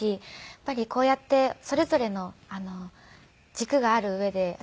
やっぱりこうやってそれぞれの軸がある上で。